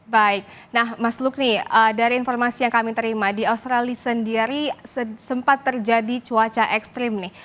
baik nah mas lukri dari informasi yang kami terima di australia sendiri sempat terjadi cuaca ekstrim nih